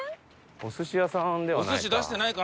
お寿司屋さんではないか？